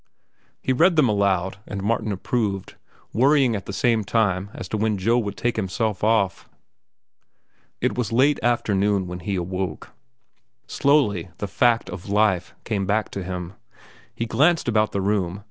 He read them aloud, and Martin approved, worrying at the same time as to when Joe would take himself off. It was late afternoon when he awoke. Slowly the fact of life came back to him. He glanced about the room.